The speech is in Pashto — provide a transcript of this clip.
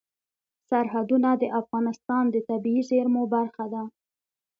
سرحدونه د افغانستان د طبیعي زیرمو برخه ده.